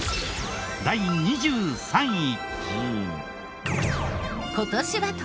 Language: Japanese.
第２３位。